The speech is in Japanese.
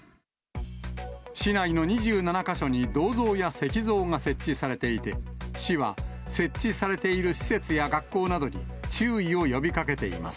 市内の２７か所に銅像や石像が設置されていて、市は、設置されている施設や学校などに、注意を呼びかけています。